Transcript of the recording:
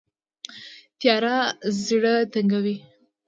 تیاره زړه تنګوي